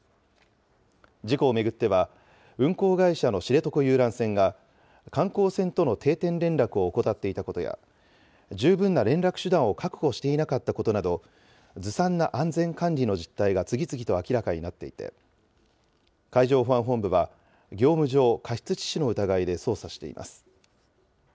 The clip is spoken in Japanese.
事故を巡っては、運航会社の知床遊覧船が観光船との定点連絡を怠っていたことや、十分な連絡手段を確保していなかったことなど、ずさんな安全管理の実態が次々と明らかになっていて、海上保安本部は、業務上過失致死の疑いで捜査しています。